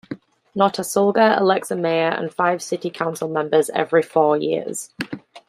Notasulga elects a mayor and five city council members every four years.